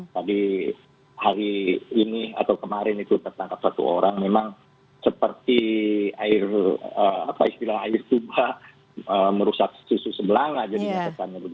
tadi hari ini atau kemarin itu tertangkap satu orang memang seperti air apa istilah air tuba merusak susu sebelang aja